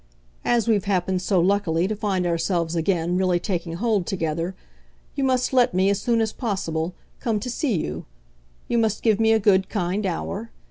As we've happened, so luckily, to find ourselves again really taking hold together, you must let me, as soon as possible, come to see you; you must give me a good, kind hour.